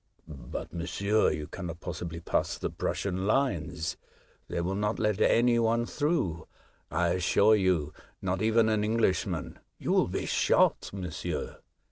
"But, monsieur, you cannot possibly pass The Escape. 17 the Prussian lines. They will not let any one through, I assure you, not even an English man. You will be shot, monsieur."